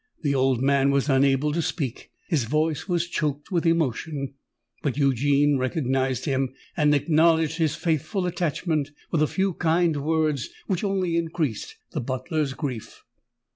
The old man was unable to speak—his voice was choked with emotion; but Eugene recognised him, and acknowledged his faithful attachment with a few kind words which only increased the butler's grief.